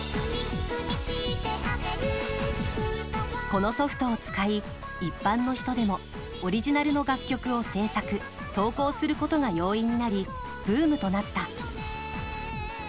このソフトを使い一般の人でもオリジナルの楽曲を制作・投稿することが容易になりブームとなった。